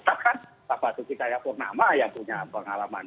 takkan pak batu cikaiya purna'ma yang punya pengalaman